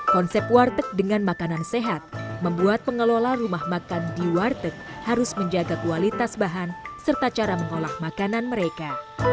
konsep warteg dengan makanan sehat membuat pengelola rumah makan di warteg harus menjaga kualitas bahan serta cara mengolah makanan mereka